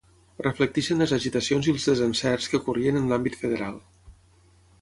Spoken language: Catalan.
Reflecteixen les agitacions i els desencerts que ocorrien en l'àmbit federal.